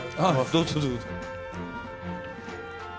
どうぞどうぞ。